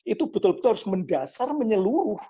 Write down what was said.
itu betul betul harus mendasar menyeluruh